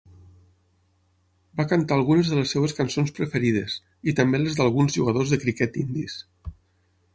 Va cantar algunes de les seves cançons preferides, i també les d'alguns jugadors de criquet indis.